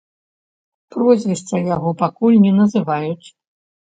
Прозвішча яго пакуль не называюць.